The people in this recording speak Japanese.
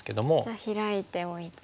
じゃあヒラいておいて。